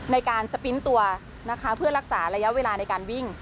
ในการสปริ้นต์ตัวนะคะเพื่อรักษาระยะเวลาในการวิ่ง